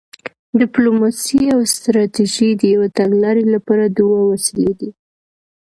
ډیپلوماسي او ستراتیژي د یوې تګلارې لپاره دوه وسیلې دي